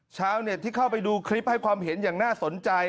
ชาวเน็ตที่เข้าไปดูคลิปให้ความเห็นอย่างน่าสนใจ